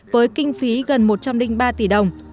với kinh phí gần một trăm linh ba tỷ đồng